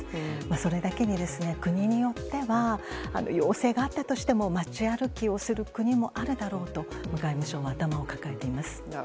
それだけに、国によっては要請があったとしても街歩きをする国もあるだろうと外務省は頭を抱えています。